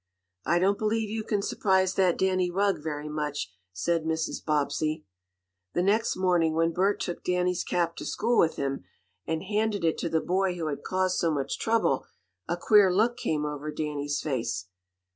"I don't believe you can surprise that Danny Rugg very much," said Mrs. Bobbsey. The next morning, when Bert took Danny's cap to school with him, and handed it to the boy who had caused so much trouble, a queer look came over Danny's face.